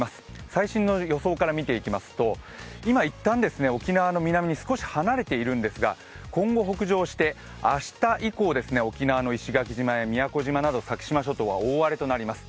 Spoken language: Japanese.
最新の予想から見ていきますと、今いったん沖縄の南に少し離れているんですが、今後北上して、明日以降、沖縄の石垣島や宮古島、先島諸島は大荒れとなります。